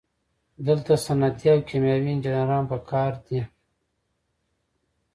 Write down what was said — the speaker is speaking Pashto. دلته صنعتي او کیمیاوي انجینران پکار دي.